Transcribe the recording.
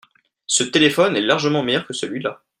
Ce téléphone est largement meilleur que celui-là.